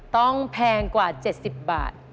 แพงกว่า๗๐บาท